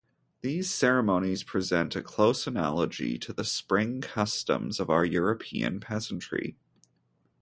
These ceremonies present a close analogy to the spring customs of our European peasantry.